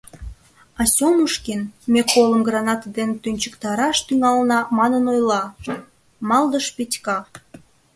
— А Сёмушкин, ме колым гранате дене тӱнчыктараш тӱҥалына, манын ойла, — малдыш Петька.